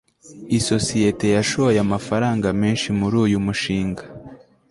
isosiyete yashoye amafaranga menshi muri uyu mushinga